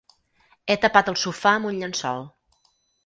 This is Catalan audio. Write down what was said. He tapat el sofà amb un llençol.